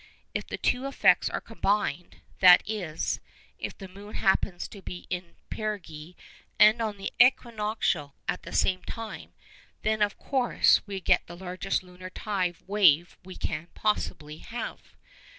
If the two effects are combined, that is, if the moon happens to be in perigee and on the equinoctial at the same time, then of course we get the largest lunar tidal wave we can possibly have.